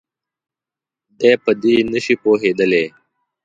دی په دې نه شي پوهېدلی.